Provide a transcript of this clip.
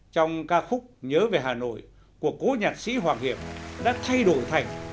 trong ca khúc nhớ về hà nội của cố nhạc sĩ hoàng hiệp đã thay đổi thành